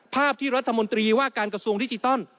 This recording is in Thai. ภาพที่รัฐมนตรีว่าการกระทรวงดิจิตอล